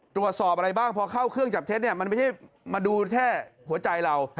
ตรวจสอบอะไรบ้างพอเข้าเครื่องจับเท็จเนี่ยมันไม่ใช่มาดูแค่หัวใจเรา